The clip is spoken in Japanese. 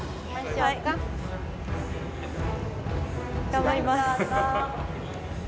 頑張ります。